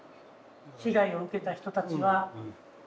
被害を受けた人たちは。